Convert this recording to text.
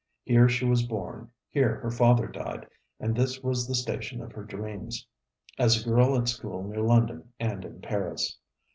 Here she was born: here her father died: and this was the station of her dreams, as a girl at school near London and in Paris.